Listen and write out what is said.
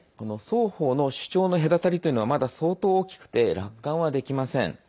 双方の主張の隔たりというのはまだ相当、大きくて楽観はできません。